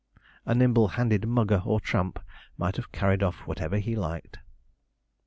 A nimble handed mugger or tramp might have carried off whatever he liked.